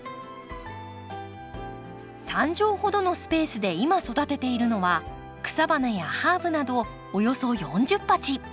３畳ほどのスペースで今育てているのは草花やハーブなどおよそ４０鉢。